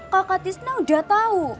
kakak tisna udah tahu